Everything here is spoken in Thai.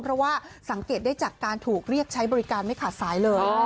เพราะว่าสังเกตได้จากการถูกเรียกใช้บริการไม่ขาดสายเลย